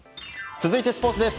続いてスポーツです。